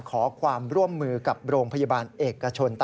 ขอความร่วมมือกับโรงพยาบาลเอกชน